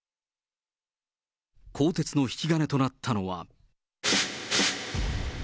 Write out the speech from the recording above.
鋼鉄の引き金となったのは。